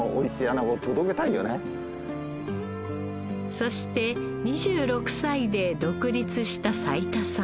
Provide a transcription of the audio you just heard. そして２６歳で独立した齋田さん。